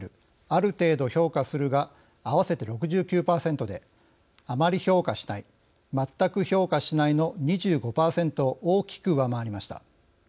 「ある程度評価する」が合わせて６９％で「あまり評価しない」「まったく評価しない」の２５％を大きく上回りました。